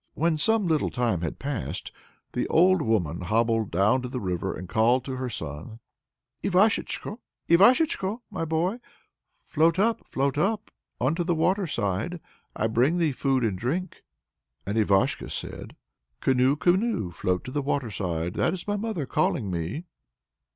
When some little time had passed by, the old woman hobbled down to the river side and called to her son: Ivashechko, Ivashechko, my boy, Float up, float up, unto the waterside; I bring thee food and drink. And Ivashko said: Canoe, canoe, float to the waterside; That is my mother calling me.